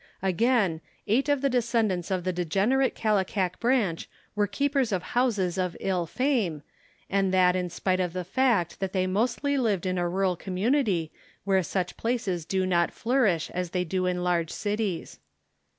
Again, eight of the descendants of the degenerate Kallikak branch were keepers of houses of ill fame, and that in spite of the fact that they mostly lived in a rural community where such places do not flourish as they do in large cities.